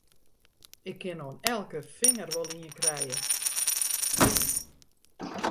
Ik kin oan elke finger wol ien krije!